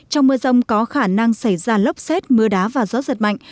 trong mưa rông có khả năng xảy ra lốc xét mưa đá và gió giật mạnh